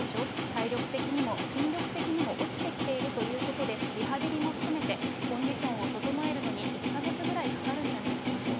体力的にも筋力的にも落ちてきているということで、リハビリも含めて、コンディションを整えるのに１か月ぐらいかかるんじゃないかなと。